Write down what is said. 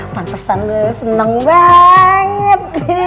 pantesan lu seneng banget